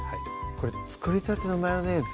これ作りたてのマヨネーズ